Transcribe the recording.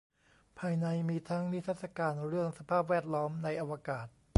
ภายในมีทั้งนิทรรศการเรื่องสภาพแวดล้อมในอวกาศ